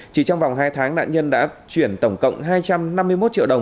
chỉ trong vòng hai tháng nạn nhân đã chuyển tổng cộng hai trăm năm mươi một triệu đồng